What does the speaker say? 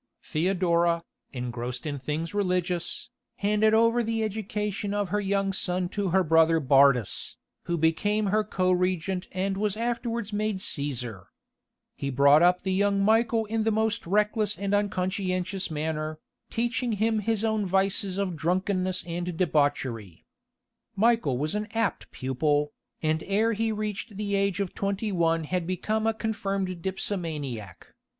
Theodora, engrossed in things religious, handed over the education of her young son to her brother Bardas, who became her co regent and was afterwards made Caesar. He brought up the young Michael in the most reckless and unconscientious manner, teaching him his own vices of drunkenness and debauchery. Michael was an apt pupil, and ere he reached the age of twenty one had become a confirmed dipsomaniac.